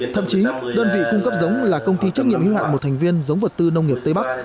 thậm chí đơn vị cung cấp giống là công ty trách nhiệm hiếu hạn một thành viên giống vật tư nông nghiệp tây bắc